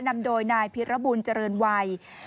นำโดยนายพิรบุญเจริญวัย